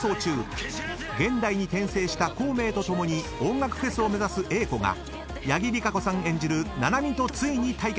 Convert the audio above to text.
［現代に転生した孔明と共に音楽フェスを目指す英子が八木莉可子さん演じる七海とついに対決！］